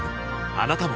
あなたも